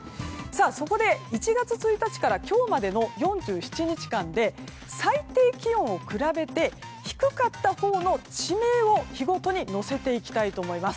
そこで１月１日から今日までの４７日間で最低気温を比べて低かったほうの地名を日ごとに載せていきたいと思います。